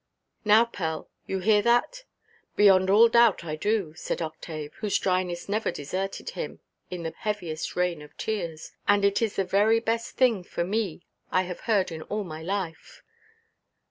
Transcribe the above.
"Now, Pell, you hear that!" "Beyond all doubt I do," said Octave, whose dryness never deserted him in the heaviest rain of tears; "and it is the very best thing for me I have heard in all my life."